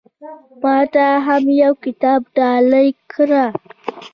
ما ته هم يو کتاب ډالۍ کړه